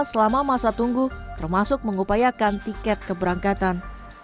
selama masa tunggu termasuk mengupayakan tiket keberangkatan